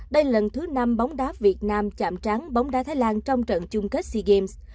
đây lần thứ năm bóng đá việt nam chạm tráng bóng đá thái lan trong trận chung kết sea games